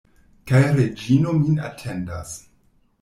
Kaj Reĝino min atendas.